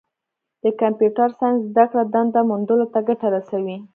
د کمپیوټر ساینس زدهکړه دنده موندلو ته ګټه رسوي.